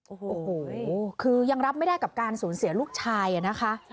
โอ้โหคือยังรับไม่ได้กับการสูญเสียลูกชายนะคะ